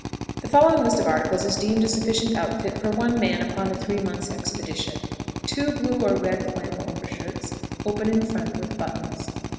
The following list of articles is deemed a sufficient outfit for one man upon a three months' expedition, viz.: 2 blue or red flannel overshirts, open in front, with buttons.